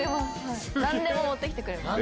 何でも持ってきてくれます。